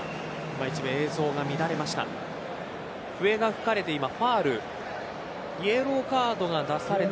一部、映像が乱れました。